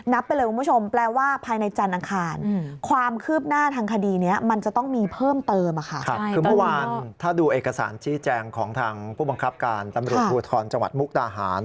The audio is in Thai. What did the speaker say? นับไปเลยคุณผู้ชมแปลว่าภายในจันทร์อังคาร